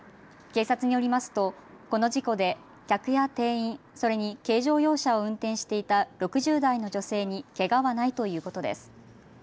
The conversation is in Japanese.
警察によりますとこの事故で客や店員、それに軽乗用車を運転していた６０代の女性にけがはないということです。